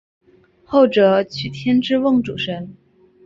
后者娶天之瓮主神。